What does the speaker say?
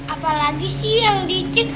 apalagi sih yang dicek kali